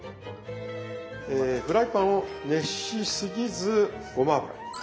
フライパンを熱しすぎずごま油。